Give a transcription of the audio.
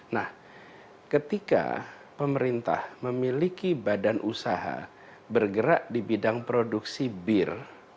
nah ketika pemerintah memiliki badan usaha bergerak di bidang produksi bir